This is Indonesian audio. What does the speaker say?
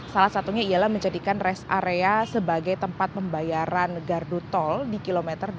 salah satunya ialah menjadikan rest area sebagai tempat pembayaran gardu tol di kilometer dua ratus dua